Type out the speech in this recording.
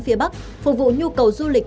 phía bắc phục vụ nhu cầu du lịch